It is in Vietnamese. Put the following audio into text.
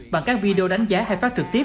bằng các video đánh giá hay phát trực tiếp